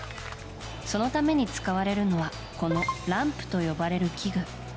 そのために使われるのはこのランプと呼ばれる器具。